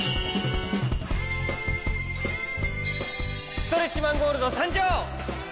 ストレッチマン・ゴールドさんじょう！